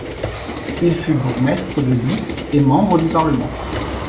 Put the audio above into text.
Il fut bourgmestre de Huy et membre du parlement.